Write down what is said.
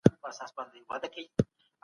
په کتابتونونو کې په ارامۍ مطالعه کېږي.